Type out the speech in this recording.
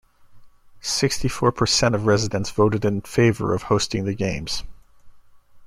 Sixty-four percent of residents voted in favour of hosting the games.